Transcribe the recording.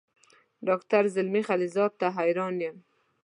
ډاکټر زلمي خلیلزاد ته حیران یم.